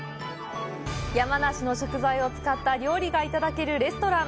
山梨の食材を使った料理が頂けるレストラン